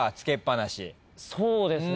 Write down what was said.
そうですね。